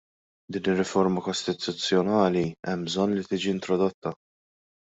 Din ir-riforma kostituzzjonali hemm bżonn li tiġi introdotta.